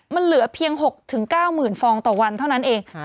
มันเหลือเพียง๖๙๐๐ฟองต่อวันเท่านั้นเอง